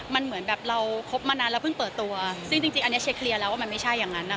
มันเหมือนแบบเราคบมานานแล้วเพิ่งเปิดตัวซึ่งจริงอันนี้เช็คเคลียร์แล้วว่ามันไม่ใช่อย่างนั้นนะคะ